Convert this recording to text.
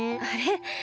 あれ？